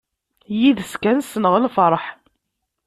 Yid-s kan ssneɣ lferḥ.